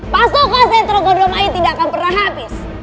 pasukan sentro kedua main tidak akan pernah habis